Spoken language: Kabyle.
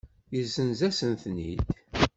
Yessenz-asen-ten-id.